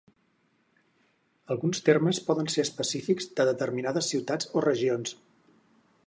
Alguns termes poden ser específics de determinades ciutats o regions.